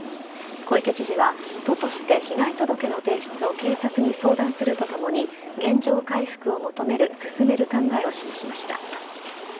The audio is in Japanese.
小池知事は都として被害届の提出を警察に相談するとともに現状回復を進める考えを示しました。